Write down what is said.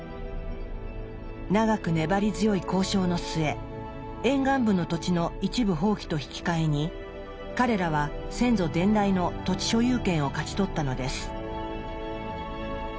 長く粘り強い交渉の末沿岸部の土地の一部放棄と引き換えに彼らは先祖伝来の土地所有権を勝ち取ったのです。